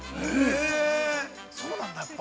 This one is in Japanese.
◆へぇ、そうなんだ、やっぱ。